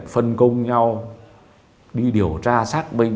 phân công nhau đi điều tra xác minh